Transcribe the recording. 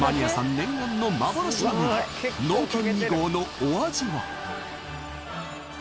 念願の幻のねぎ農研２号のお味は？